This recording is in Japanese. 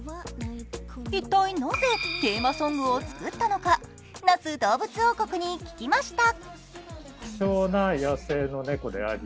一体なぜテーマソングを作ったのか那須どうぶつ王国に聞きました。